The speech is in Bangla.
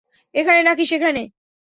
এখানে নাকি সেখানে?